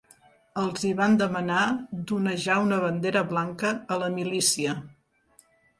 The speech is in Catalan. Els hi van demanar d'onejar una bandera blanca a la milícia.